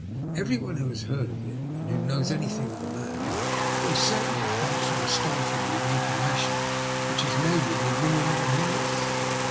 Everyone who has heard of it, and who knows anything of the man, feels certain that Bartrand stole from you the information which has made him the millionaire he is.